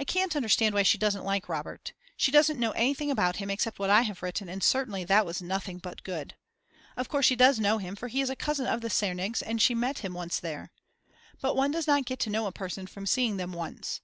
I can't understand why she doesn't like Robert; she doesn't know anything about him except what I have written and certainly that was nothing but good. Of course she does know him for he is a cousin of the Sernigs and she met him once there. But one does not get to know a person from seeing them once.